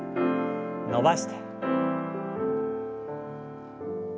伸ばして。